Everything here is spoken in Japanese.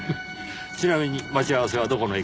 ちなみに待ち合わせはどこの駅で？